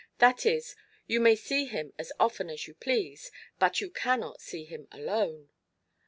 That is, you may see him as often as you please, but you cannot see him alone."